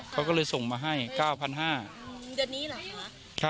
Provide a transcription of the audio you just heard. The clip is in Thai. เขาก็เลยส่งมาให้๙๕๐๐บาท